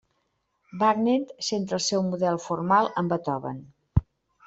Wagner centra el seu model formal en Beethoven.